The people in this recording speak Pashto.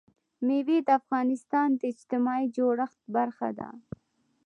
مېوې د افغانستان د اجتماعي جوړښت برخه ده.